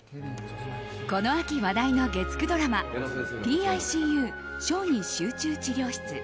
この秋話題の月９ドラマ「ＰＩＣＵ小児集中治療室」。